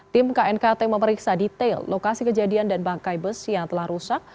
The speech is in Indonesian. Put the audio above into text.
tim knkt memeriksa detail lokasi kejadian dan bangkai bus yang telah rusak